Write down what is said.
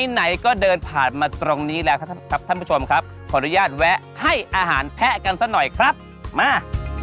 ไหนก็เดินผ่านมาตรงนี้แล้วครับท่านครับท่านผู้ชมครับขออนุญาตแวะให้อาหารแพะกันซะหน่อยครับมา